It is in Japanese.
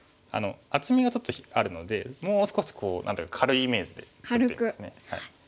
厚みがちょっとあるのでもう少し何ていうか軽いイメージで打ってみます。